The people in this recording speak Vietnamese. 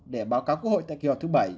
để báo cáo quốc hội tại kỳ họp thứ bảy